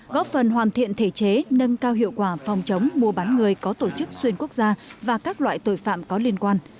góp phần hoàn thiện thể chế nâng cao hiệu quả phòng chống mua bán người có tổ chức xuyên quốc gia và các loại tội phạm có liên quan